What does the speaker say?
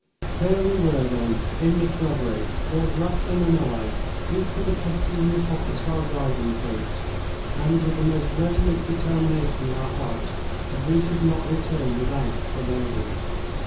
There we were, then, in the shrubbery, Lord Rufton and I, each with a pistol in the pockets of our riding coats, and with the most resolute determination in our hearts that we should not return without the lady.